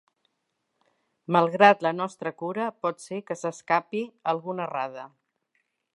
Malgrat la nostra cura, pot ser que s'escape alguna errada.